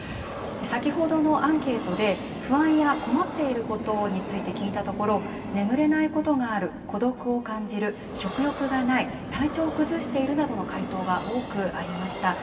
先ほどのアンケートで不安や困っていることについて聞いたところ眠れないことがある孤独を感じる、食欲がない体調を崩しているなどの回答が多くありました。